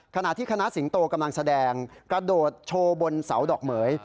ขณะที่คณะสิงโตกำลังแสดงกระโดดโชว์บนเสาดอกเหมือย